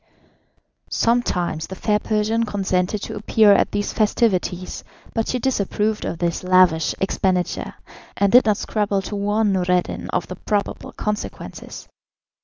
Sometimes the fair Persian consented to appear at these festivities, but she disapproved of this lavish expenditure, and did not scruple to warn Noureddin of the probable consequences.